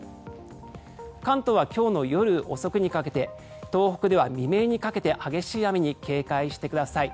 関東は今日の夜遅くにかけて東北では未明にかけて激しい雨に警戒してください。